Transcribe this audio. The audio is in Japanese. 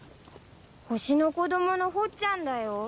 星の子供のほっちゃんだよ。